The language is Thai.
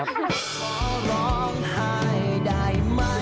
บ่อย